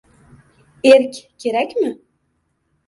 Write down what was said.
Erk kerakmi?